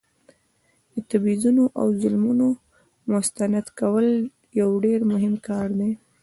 د تبعیضونو او ظلمونو مستند کول یو ډیر مهم کار دی.